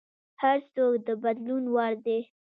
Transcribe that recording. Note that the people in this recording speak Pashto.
هر څوک د بدلون وړ دی.